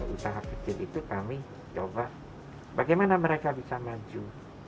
usaha kecil itu kami coba bagaimana mereka bisa maju